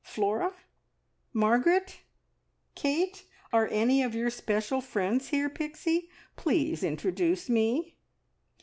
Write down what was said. Flora Margaret Kate? Are any of your special friends here, Pixie? Please introduce me."